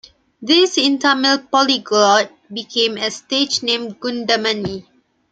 This in Tamil polyglot became as stage name "Goundamani".